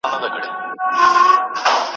شاګرد د موضوع حدود څنګه وپېژني؟